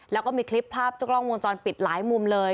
แล้วก็มีคลิปภาพจากกล้องวงจรปิดหลายมุมเลย